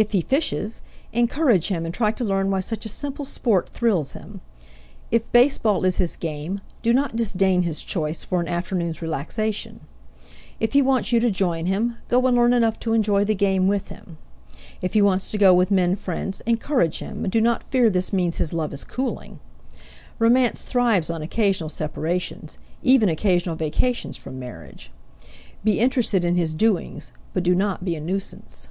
If he fishes, encourage him and try to learn why such a simple sport thrills him. If baseball is his game, do not disdain his choice for an afternoon's relaxation; if he wants you to join him, go and learn enough to enjoy the game with him; if he wants to go with men friends, encourage him, and do not fear this means his love is cooling! (Romance thrives on occasional separations, even occasional vacations from marriage.) Be interested in his doings, but do not be a nuisance.